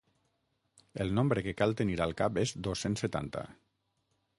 El nombre que cal tenir al cap és dos-cents setanta.